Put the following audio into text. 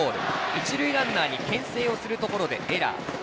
一塁ランナーにけん制をするところでエラー。